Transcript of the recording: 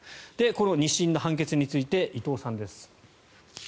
この２審の判決について伊藤さんです。